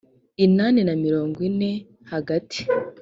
inani na mirongo ine hagati